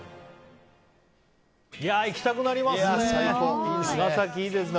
行きたくなりますね